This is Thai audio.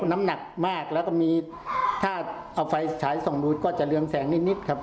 น้ำหนักมากแล้วก็มีถ้าเอาไฟฉายส่องดูก็จะเรืองแสงนิดครับ